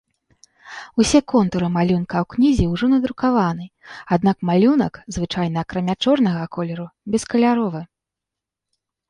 Усе контуры малюнка ў кнізе ўжо надрукаваны, аднак малюнак, звычайна акрамя чорнага колеру, бескаляровы.